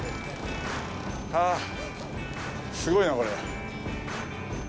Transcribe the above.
あー、すごいな、これ。